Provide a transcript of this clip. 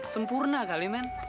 sempurna kali men